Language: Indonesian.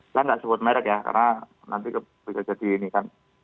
saya nggak sebut merek ya karena nanti bisa jadi ini kan